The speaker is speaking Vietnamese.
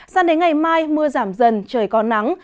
sang đến ngày mai mưa giảm dần trời có nắng